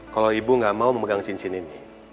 kalau ibu nggak mau memegang cincin ini